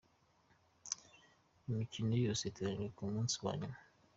Imikino yose iteganyijwe ku munsi wa nyuma:.